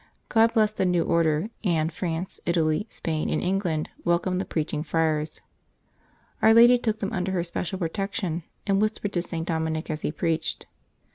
God blessed the new Order, and France, Italy, Spain, and England welcomed the Preaching Friars. Our Lady took them under her special protection, and whispered to St. Dominic as he preached.